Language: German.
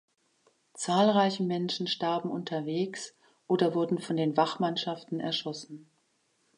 Zahlreiche Menschen starben unterwegs oder wurden von den Wachmannschaften erschossen.